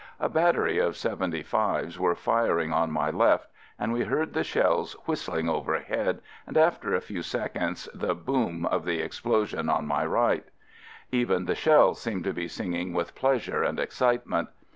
A battery of " 75's " were firing on my left, and we heard 100 AMERICAN ^AMBULANCE the shells whistling overhead and after a few seconds the boom of the explosion on my right. Even the shells seemed to be sing ing with pleasure and excitement.